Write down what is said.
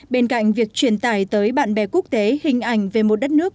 bên cạnh việc truyền tải tới bạn bè quốc tế hình ảnh về một đất nước